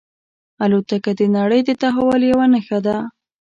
الوتکه د نړۍ د تحول یوه نښه ده.